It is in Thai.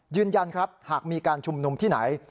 ยืนยันครับหากมีการชุมนุมที่ไหน